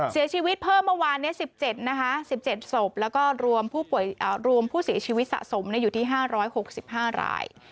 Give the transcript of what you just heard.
เสียชีวิตเพิ่มเมื่อวานนี้๑๗นะคะ๑๗ศพแล้วก็รวมผู้เสียชีวิตสะสมอยู่ที่๕๖๕ราย